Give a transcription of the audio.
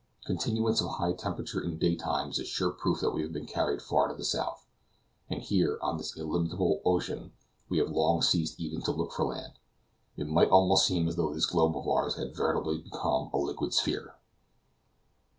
Continuance of high temperature in daytime is a sure proof that we have been carried far to the south, and here, on this illimitable ocean, we have long ceased even to look for land; it might almost seem as though this globe of ours had veritably become a liquid sphere!